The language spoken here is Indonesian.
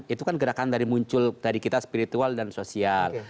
itu kan gerakan dari muncul dari kita spiritual dan sosial